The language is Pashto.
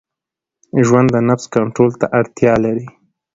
ژوند د نفس کنټرول ته اړتیا لري.